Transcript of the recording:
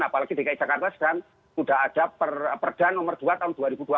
apalagi dki jakarta sekarang sudah ada perda nomor dua tahun dua ribu dua puluh